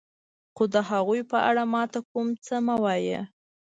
خو د هغوی په اړه ما ته کوم څه مه وایه.